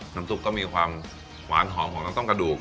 ซุปก็มีความหวานหอมของน้ำส้มกระดูก